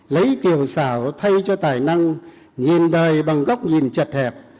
lấy tiền xảo thay cho tài năng nhìn đời bằng góc nhìn chật hẹp